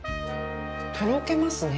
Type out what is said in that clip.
とろけますね。